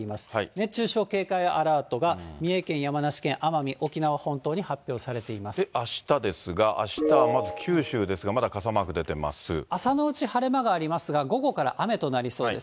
熱中症警戒アラートが三重県、山梨県、奄美、あしたですが、あしたはまず九州ですが、朝のうち晴れ間がありますが、午後から雨となりそうです。